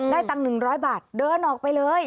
ตังค์๑๐๐บาทเดินออกไปเลย